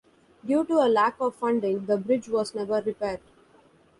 Due to a lack of funding, the bridge was never repaired.